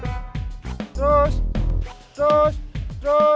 minta mica dan ketamu